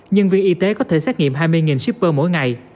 nhân viên y tế có thể xét nghiệm hai mươi shipper mỗi ngày